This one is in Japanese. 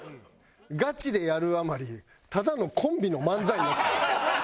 ガチでやるあまりただのコンビの漫才になってる。